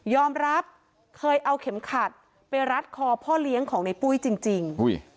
รับเคยเอาเข็มขัดไปรัดคอพ่อเลี้ยงของในปุ้ยจริง